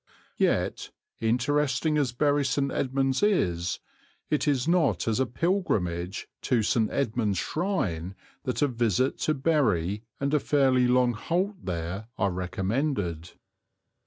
Yet, interesting as Bury St. Edmunds is, it is not as a pilgrimage to St. Edmund's shrine that a visit to Bury and a fairly long halt there are recommended.